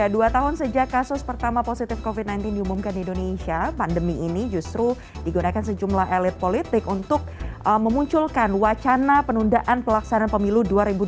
dua tahun sejak kasus pertama positif covid sembilan belas diumumkan di indonesia pandemi ini justru digunakan sejumlah elit politik untuk memunculkan wacana penundaan pelaksanaan pemilu dua ribu dua puluh